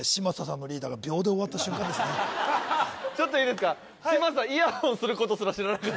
ちょっといいですか？